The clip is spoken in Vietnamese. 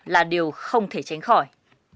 là điều không thể tránh khỏi